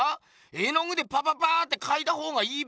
絵の具でパパパってかいた方がいいべよ？